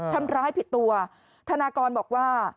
ทำร้ายผิดตัวธนากรบอกว่า